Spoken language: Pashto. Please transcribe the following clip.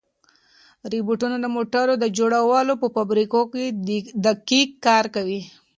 روبوټونه د موټرو د جوړولو په فابریکو کې دقیق کار کوي.